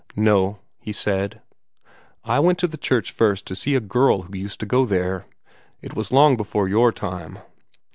"No," he said; "I went to the church first to see a girl who used to go there. It was long before your time.